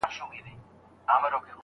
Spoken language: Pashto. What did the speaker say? که نن نه وي سبا به د زمان کندي ته لویږي